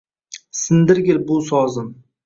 Sindirgil bu sozim